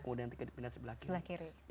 kemudian tiga dipindah sebelah kiri